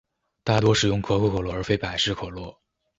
大多使用可口可乐而非百事可乐。